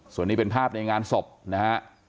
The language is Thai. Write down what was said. ส่วนนี้เป็นภาพในงานศพนะฮะ